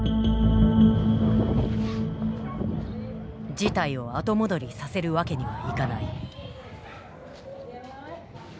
事態を後戻りさせるわけにはいかない。